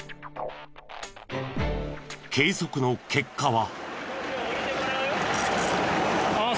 計測の結果は。